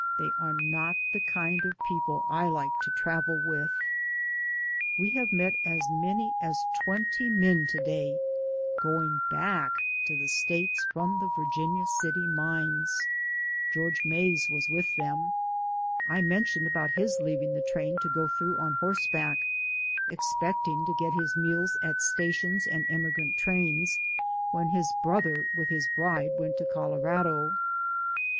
They are not the kind of people I like to travel with. We have met as many as twenty men to day going back to the States from the Vir ginia City mines. George Mays was with them. I mentioned about his leaving the train to go through on horseback, expecting to get his meals at stations and emigrant trains, when his brother with his bride went to Colorado.